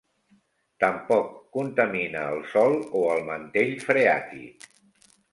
Tampoc contamina el sol o el mantell freàtic.